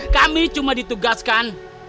kami cuma ditugaskan